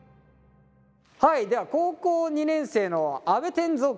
はいでは高校２年生の阿部天蔵君。